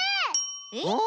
えっ？